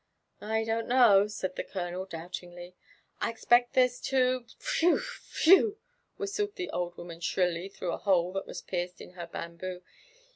''I dont know," said the colonel doubtingly ; ''I expect there's two "<< Whew I whew I " whistled the old woman shrilly through a hole that was pierced in her hambop.